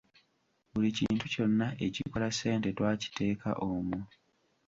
Buli kintu kyonna ekikola ssente twakiteeka omwo.